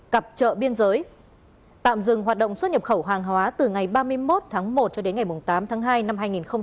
cặp trợ biên giới tạm dừng hoạt động xuất nhập khẩu hàng hóa từ ngày ba mươi một tháng một cho đến ngày tám tháng hai năm hai nghìn hai mươi